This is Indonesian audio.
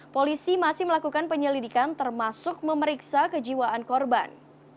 polisi masih melakukan penyelidikan termasuk memeriksa kejiwaan korban